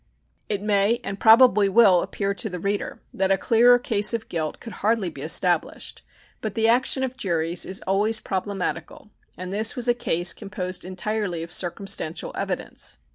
It may, and probably will, appear to the reader that a clearer case of guilt could hardly be established, but the action of juries is always problematical, and this was a case composed entirely of circumstantial evidence.